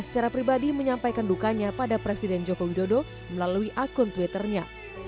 secara pribadi menyampaikan dukanya pada presiden joko widodo melalui akun twitternya